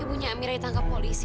ibunya amirah ditangkap polisi